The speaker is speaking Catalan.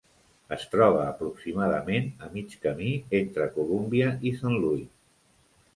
Es troba aproximadament a mig camí entre Colúmbia i Saint Louis.